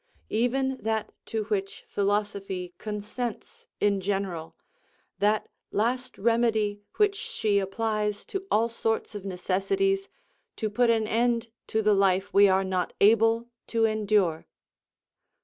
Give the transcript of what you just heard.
Even that to which philosophy consents in general, that last remedy which she applies to all sorts of necessities, to put an end to the life we are not able to endure.